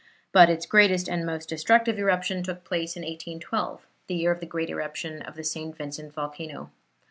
But its greatest and most destructive eruption took place in 1812, the year of the great eruption of the St. Vincent volcano.